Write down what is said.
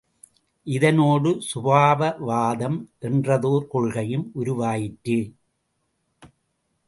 இதனோடு சுபாவவாதம் என்றதோர் கொள்கையும் உருவாயிற்று.